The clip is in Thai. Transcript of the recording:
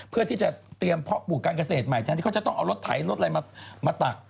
เพื่อที่จะเตรียมเพาะปลูกการเกษตรใหม่แทนที่เขาจะต้องเอารถไถรถอะไรมาตัก